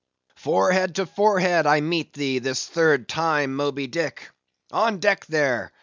"Forehead to forehead I meet thee, this third time, Moby Dick! On deck there!